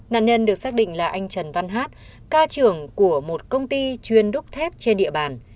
nạn nhân được xác định là anh trần văn hát ca trưởng của một công ty chuyên đúc thép trên địa bàn